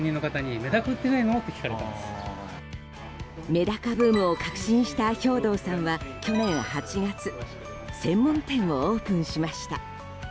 メダカブームを確信した兵頭さんは去年８月専門店をオープンしました。